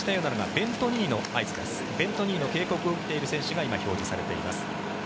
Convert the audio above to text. ベント・ニーの警告を受けている選手が今、表示されています。